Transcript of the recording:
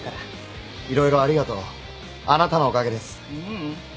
ううん。